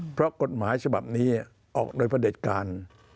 เพราะกฎหมายฉบับนี้ออกโดยประเด็จการ